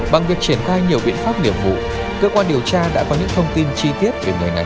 bằng việc triển khai nhiều biện pháp nghiệp vụ cơ quan điều tra đã có những thông tin chi tiết về người này